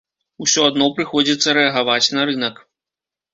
Усё адно прыходзіцца рэагаваць на рынак.